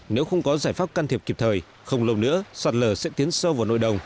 nếu không có giải pháp can thiệp kịp thời không lâu nữa sạt lở sẽ tiến sâu vào nội đồng